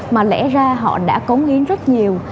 mà lẽ ra họ đã cống yến rất nhiều